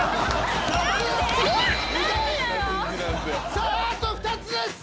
さああと２つです